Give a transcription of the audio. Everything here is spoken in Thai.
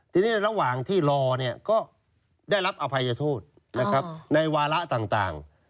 ทีนี้ระหว่างที่รอเนี่ยก็ได้รับอภัยโทษนะครับในวาระต่าง